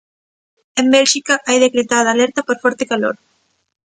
En Bélxica hai decretada alerta por forte calor.